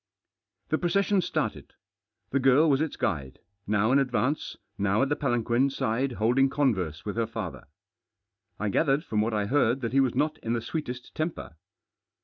The procession started. The girl Was its guide, now ih advance, how at the palanquin side holding converse with her father. I gathered froni What I heard that he was not in the sweetest temper.